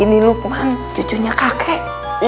ini lukman cucunya kakek